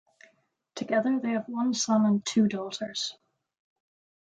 Together they have one son and two daughters.